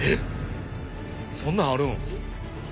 そんなんあるん？